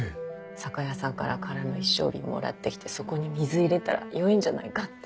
酒屋さんから空の一升瓶もらって来てそこに水入れたら酔えんじゃないかって。